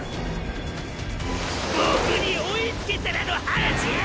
ボクゥに追いつけたらの話や！！